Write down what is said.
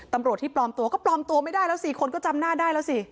ตำรวจที่ปลอมตัวก็ปลอมตัวไม่ได้แล้ว๔คนก็จำหน้าได้แล้วสิ